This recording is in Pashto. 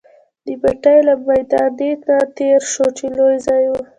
د بټۍ له میدانۍ نه تېر شوو، چې لوی ځای وو.